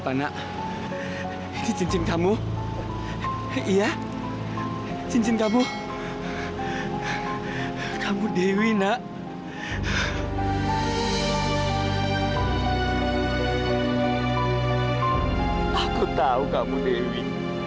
bungaak enak banget nanti